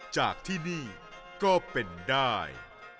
จากที่นี่ก็เป็นได้